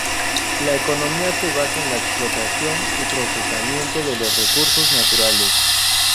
La economía se basa en la explotación y procesamiento de los recursos naturales.